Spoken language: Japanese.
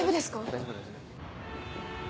大丈夫大丈夫。